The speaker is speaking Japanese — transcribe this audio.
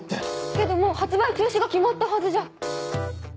けどもう発売中止が決まったはずじゃ。